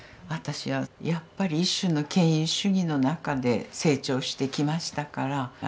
私はやっぱり一種の権威主義の中で成長してきましたから。